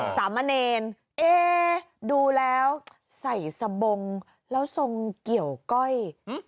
สามเณรเอ๊ดูแล้วใส่สบงแล้วทรงเกี่ยวก้อย